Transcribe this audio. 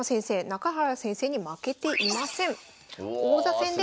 中原先生に負けていません。